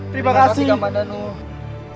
terima kasih kamandano